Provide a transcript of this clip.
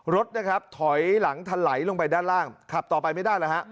รถท๪ทลัยลงไปด้านล่างขับต่อไปไม่ได้